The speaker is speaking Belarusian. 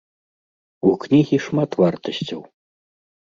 У кнігі шмат вартасцяў.